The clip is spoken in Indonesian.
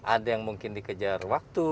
ada yang mungkin dikejar waktu